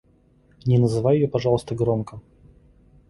Не называй ее, пожалуйста, громко...